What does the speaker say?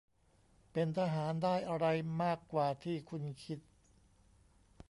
เป็นทหาร ได้อะไร มากกว่าที่คุณคิด